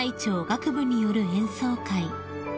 楽部による演奏会］